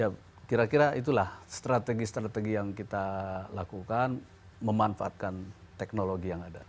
ya kira kira itulah strategi strategi yang kita lakukan memanfaatkan teknologi yang ada